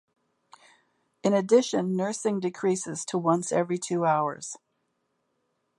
In addition, nursing decreases to once every two hours.